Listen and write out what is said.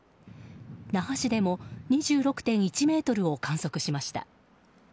那覇市でも２６．１メートルを観測しました。